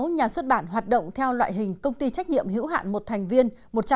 một mươi sáu nhà xuất bản hoạt động theo loại hình công ty trách nhiệm hữu hạn một thành viên một trăm linh